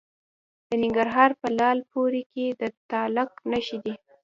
د ننګرهار په لعل پورې کې د تالک نښې شته.